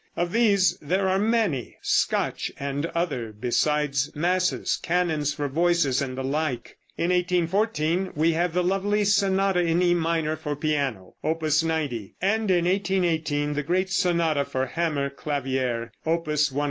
Of these there are many, Scotch and other, besides masses, canons for voices and the like. In 1814 we have the lovely sonata in E minor for piano, Opus 90, and in 1818 the great sonata for hammer klavier, Opus 106.